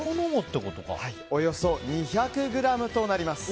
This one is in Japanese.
およそ２００ｇとなります。